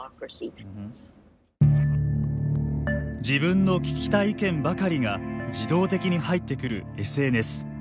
自分の聞きたい意見ばかりが自動的に入ってくるＳＮＳ。